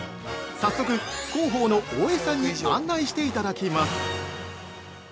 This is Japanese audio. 早速、広報の大江さんに案内していただきます。